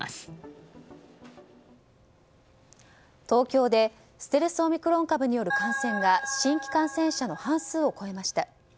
東京でステルスオミクロン株による感染が新規感染者の半数を超えました。